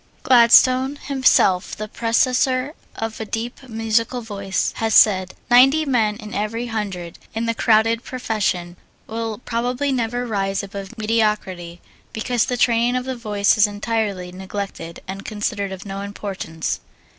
Gladstone, himself the possessor of a deep, musical voice, has said: "Ninety men in every hundred in the crowded professions will probably never rise above mediocrity because the training of the voice is entirely neglected and considered of no importance."